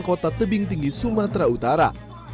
kota tebing tinggi sumatera utara